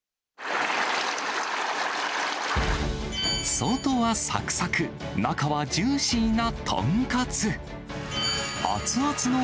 外はさくさく、中はジューシーな豚カツ。